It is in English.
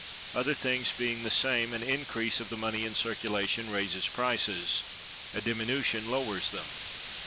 Other things being the same, an increase of the money in circulation raises prices; a diminution lowers them.